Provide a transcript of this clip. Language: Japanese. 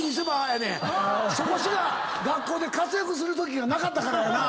そこしか学校で活躍するときがなかったからやな。